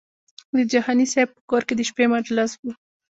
د جهاني صاحب په کور کې د شپې مجلس و.